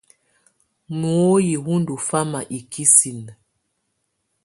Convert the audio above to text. Mùoyi wɔ ndɔ fama ikisinǝ.